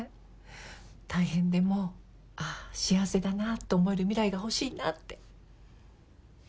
大変でもああ幸せだなって思える未来が欲しいなって。